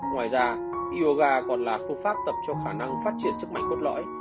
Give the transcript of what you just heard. ngoài ra yoga còn là phương pháp tập cho khả năng phát triển sức mạnh cốt lõi